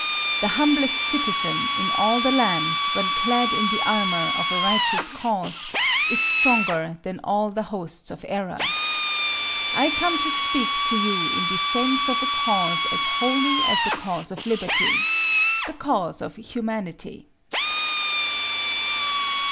The humblest citizen in all the land, when clad in the armor of a righteous cause, is stronger than all the hosts of error. I come to speak to you in defense of a cause as holy as the cause of liberty the cause of humanity.